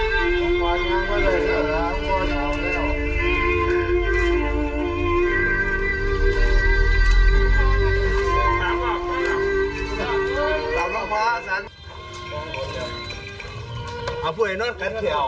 ชอบพวกเขาได้เองค่ะค่า